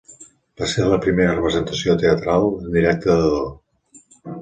Va ser la primera representació teatral en directe de Do.